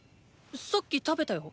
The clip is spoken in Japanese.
さっき食べたよ。